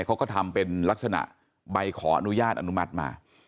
เขาก็ทำเป็นลักษณะใบขออนุญาตอนุมัติมา